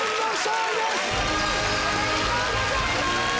おめでとうございます！